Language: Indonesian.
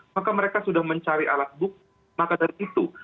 maka mereka sudah mencari alat bukti maka dari itu